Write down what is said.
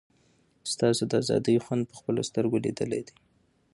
تاسو د آزادۍ خوند په خپلو سترګو لیدلی دی.